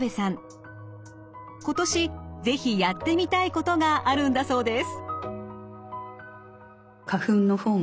今年是非やってみたいことがあるんだそうです。